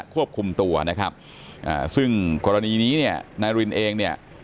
ควบคุมตัวนะครับอ่าซึ่งกรณีนี้เนี่ยนายรินเองเนี่ย